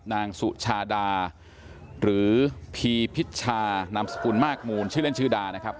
นางสุชาดาหรือพีพิชชานามสกุลมากมูลชื่อเล่นชื่อดานะครับ